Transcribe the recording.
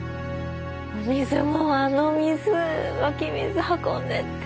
水もあの水湧き水運んで。